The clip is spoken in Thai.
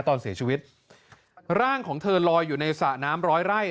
ตอนเสียชีวิตร่างของเธอลอยอยู่ในสระน้ำร้อยไร่